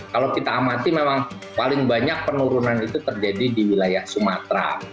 kalau kita amati memang paling banyak penurunan itu terjadi di wilayah sumatera